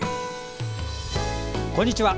こんにちは。